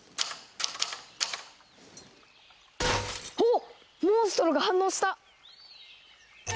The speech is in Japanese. おっモンストロが反応した！